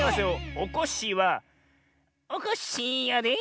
おこっしぃは「おこっしぃやで」。